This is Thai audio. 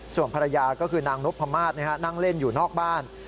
ส่วนภรรยาก็คือนางนพมาศนั่งเล่นอยู่นอกบ้าน